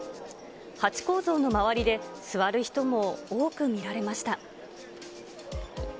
ハチ公像の周りで座る人も多く見られました。